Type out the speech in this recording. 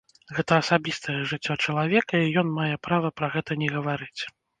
Гэта асабістае жыццё чалавека, і ён мае права пра гэта не гаварыць.